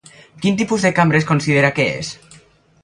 Quin tipus de cambra es considera que és?